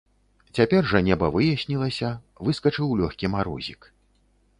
Цяпер жа неба выяснілася, выскачыў лёгкі марозік.